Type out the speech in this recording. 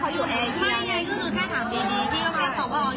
แค่นี้ก็จบแล้วถามว่าให้ไปถามประชาสัมพันธ์